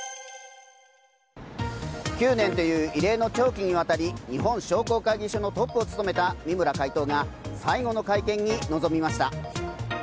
９年という異例の長期にわたり日本商工会議所のトップを務めた三村会頭が最後の会見に臨みました。